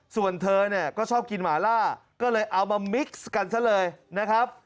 ส่วนเธอเนี่ยก็ชอบกินหมาล่าก็เลยเอามามิกซ์กันซะเลยนะครับ